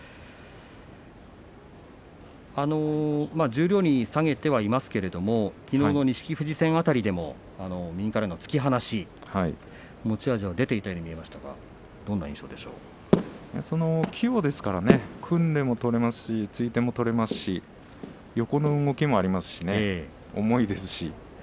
十両に下げてはいますけれどもきのうの錦富士戦辺りでも右からの突き放し持ち味は出ていたように見えましたが強いですから組んでも取れますし突いても取れますし横の動きもありますし重いですし。